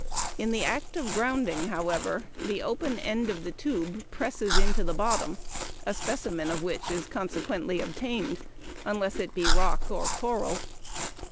In the act of grounding, however, the open end of the tube presses into the bottom, a specimen of which is consequently obtained unless it be rock or coral.